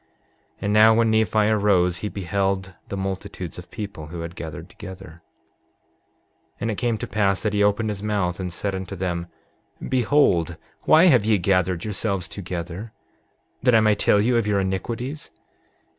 7:12 And now, when Nephi arose he beheld the multitudes of people who had gathered together. 7:13 And it came to pass that he opened his mouth and said unto them: Behold, why have ye gathered yourselves together? That I may tell you of your iniquities?